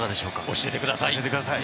教えてください。